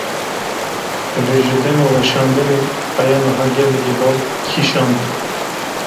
Vê ji dema weşandinê heya niha gelekî bala gel kîşand.